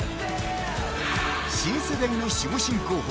新世代の守護神候補